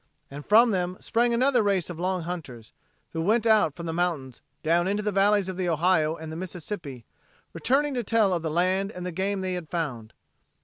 And from them sprang another race of long hunters who went out from the mountains down into the valleys of the Ohio and the Mississippi, returning to tell of the land and the game they had found.